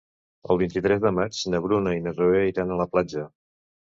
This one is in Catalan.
El vint-i-tres de maig na Bruna i na Zoè iran a la platja.